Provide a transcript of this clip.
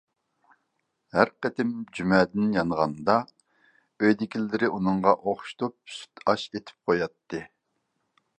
ھەر قېتىم جۈمەدىن يانغاندا ئۆيدىكىلىرى ئۇنىڭغا ئوخشىتىپ سۈتئاش ئېتىپ قوياتتى.